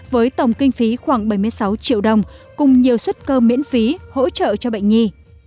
với tổng kinh phí khoảng bảy mươi sáu triệu đồng cùng nhiều xuất cơ miễn phí hỗ trợ cho bệnh nhi